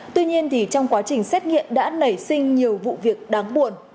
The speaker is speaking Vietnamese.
tuy nhiên trong quá trình xét nghiệm đã nảy sinh nhiều vụ việc đáng buồn